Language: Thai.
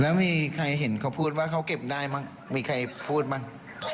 แล้วมีใครเห็นเขาพูดว่าเขาเก็บได้มั้งมีใครพูดบ้าง